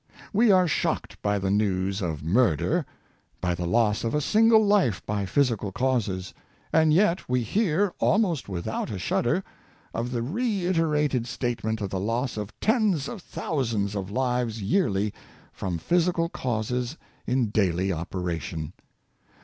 We are shocked by the news of murder — by the loss of a single life by physical causes! And yet we hear, almost without a shudder, of the reiterated statement of the loss of tens of thousands of lives yearly from physical causes in daily operation.